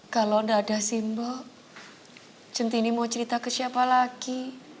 kalau gak ada si mbok centini mau cerita ke siapa lagi